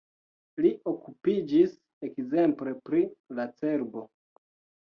Li okupiĝis ekzemple pri la cerbo.